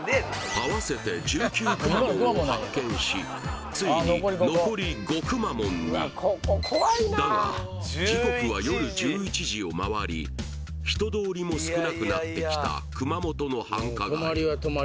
合わせて１９くまモンを発見しついに残り５くまモンにだが時刻は夜１１時をまわり人通りも少なくなってきた熊本の繁華街